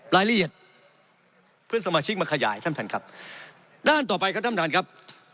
รายละเอียดเพื่อนสมาชิกมาขยายท่านท่านครับด้านต่อไปครับท่านประธานครับ